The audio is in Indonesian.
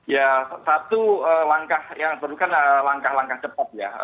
ya satu langkah yang diperlukan langkah langkah cepat ya